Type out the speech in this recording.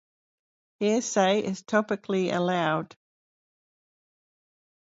Hearsay is typically allowed.